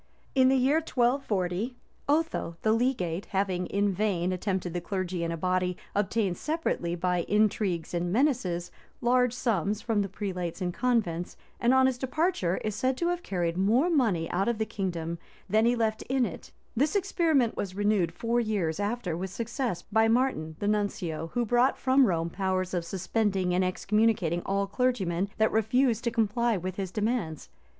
In the year 1240, Otho the legate, having in vain attempted the clergy in a body, obtained separately, by intrigues and menaces, large sums from the prelates and convents, and on his departure is said to have carried more money out of the kingdom than he left in it This experiment was renewed four years after with success by Martin the nuncio, who brought from Rome powers of suspending and excommunicating all clergymen that refused to comply with his demands.